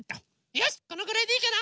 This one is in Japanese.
よしこのぐらいでいいかな。